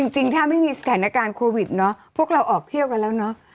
จริงถ้าไม่มีสถานการณ์โควิดเนาะพวกเราออกเที่ยวกันแล้วเนาะ